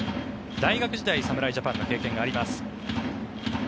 大学時代侍ジャパンの経験があります。